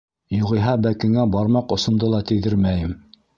Юғиһә бәкеңә бармаҡ осомдо ла тейҙермәйем.